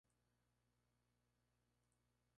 El lado negativo, es que su productividad es baja.